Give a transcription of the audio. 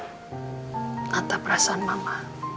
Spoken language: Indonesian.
mengatasi perasaan mama